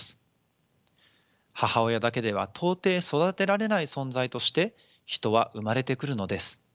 母親だけでは到底育てられない存在として人は生まれてくるのです。